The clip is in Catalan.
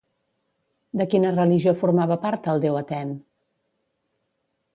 De quina religió formava part el déu Atèn?